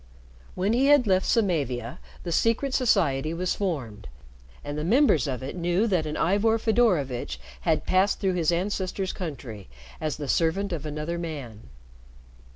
When he had left Samavia, the secret society was formed, and the members of it knew that an Ivor Fedorovitch had passed through his ancestors' country as the servant of another man.